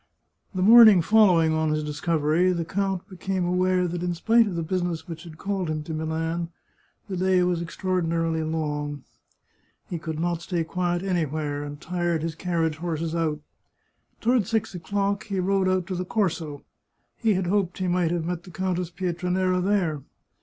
The morning following on his discovery, the count became aware that in spite of the business which had called him to Milan, the day was extraordinarily long; he could not stay quiet anywhere, and tired his carriage horses out. To ward six o'clock he rode out to the Corso. He had hoped he might have met the Countess Pietranera there.